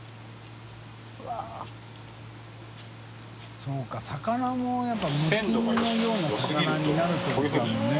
錣繊修Δ魚もやっぱ無菌のような魚になるってことだもんね。